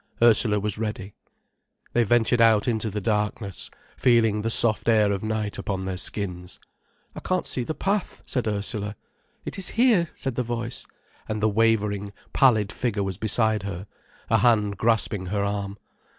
Ursula was ready. They ventured out into the darkness, feeling the soft air of night upon their skins. "I can't see the path," said Ursula. "It is here," said the voice, and the wavering, pallid figure was beside her, a hand grasping her arm.